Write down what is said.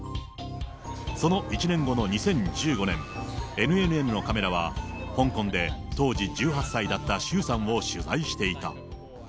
その１年後の２０１５年、ＮＮＮのカメラは、香港で当時１８歳だった周さんを取材していた。